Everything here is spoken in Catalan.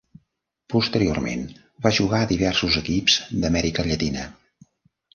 Posteriorment va jugar a diversos equips d'Amèrica Llatina.